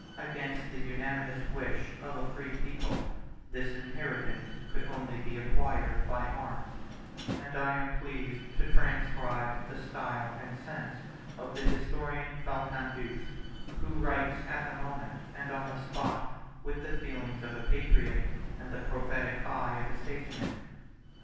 Against the unanimous wish of a free people, this inheritance could only be acquired by arms; and I am pleased to transcribe the style and sense of the historian Falcandus, who writes at the moment, and on the spot, with the feelings of a patriot, and the prophetic eye of a statesman.